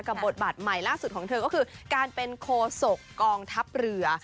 บทบาทใหม่ล่าสุดของเธอก็คือการเป็นโคศกกองทัพเรือ